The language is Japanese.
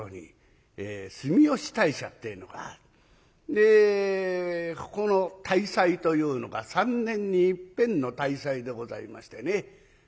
でここの大祭というのが３年にいっぺんの大祭でございましてね。